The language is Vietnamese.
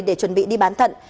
để chuẩn bị đi bán thận